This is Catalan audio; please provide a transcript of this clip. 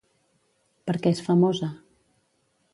Per què és famosa?